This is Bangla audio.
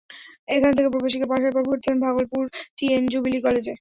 এখান থেকে প্রবেশিকা পাশের পর ভর্তি হন ভাগলপুর টি এন জুবিলি কলেজে।